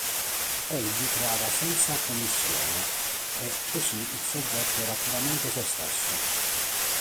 Egli creava senza commissione e così il soggetto era puramente se stesso.